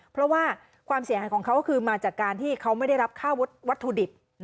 เพราะว่าความเสียหายของเขาก็คือมาจากการที่เขาไม่ได้รับค่าวัตถุดิบ